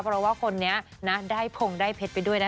เพราะว่าคนนี้นะได้พงได้เพชรไปด้วยนะ